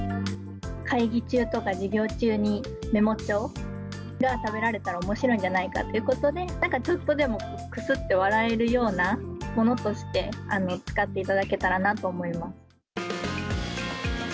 会議中とか授業中にメモ帳が食べられたらおもしろいんじゃないかということで、なんかちょっとでもくすっと笑えるようなものとして、使っていただけたらなと思います。